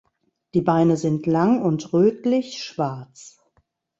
Die Beine sind lang und rötlich schwarz.